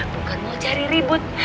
bukan mau cari ribut